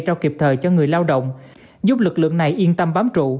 trao kịp thời cho người lao động giúp lực lượng này yên tâm bám trụ